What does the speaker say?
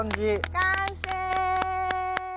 完成！